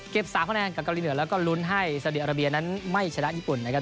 ๓คะแนนกับเกาหลีเหนือแล้วก็ลุ้นให้ซาเดียอาราเบียนั้นไม่ชนะญี่ปุ่นนะครับ